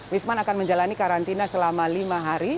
wisman akan menjalani karantina selama lima hari